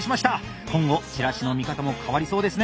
今後チラシの見方も変わりそうですね！